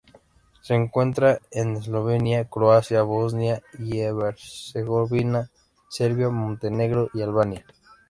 Se encuentra en Eslovenia, Croacia, Bosnia y Herzegovina, Serbia, Montenegro y Albania.